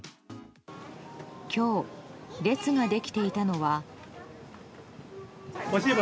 今日、列ができていたのは。